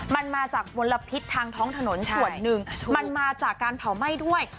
มันมาจากมลพิษทางท้องถนนส่วนหนึ่งมันมาจากการเผาไหม้ด้วย